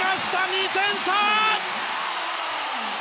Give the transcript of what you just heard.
２点差！